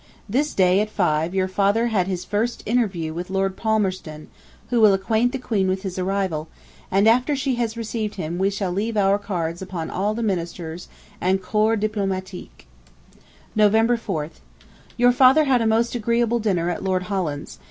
This day, at five, your father had his first interview with Lord Palmerston, who will acquaint the Queen with his arrival, and after she has received him we shall leave our cards upon all the ministers and corps diplomatique. November 4th. Your father had a most agreeable dinner at Lord Holland's.